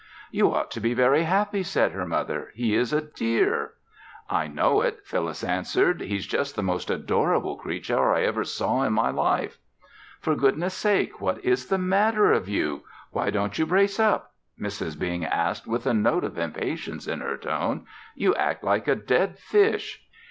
"You ought to be very happy," said her mother. "He is a dear." "I know it," Phyllis answered. "He's just the most adorable creature I ever saw in my life." "For goodness' sake! What is the matter of you? Why don't you brace up?" Mrs. Bing asked with a note of impatience in her tone. "You act like a dead fish."